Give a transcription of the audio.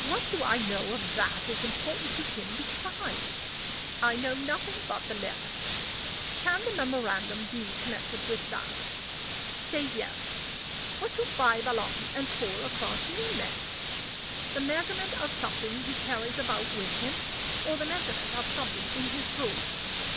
What do I know of that is important to him besides? I know of nothing but the Letter. Can the memorandum be connected with that? Say, yes. What do "5 along" and "4 across" mean, then? The measurement of something he carries about with him? or the measurement of something in his room?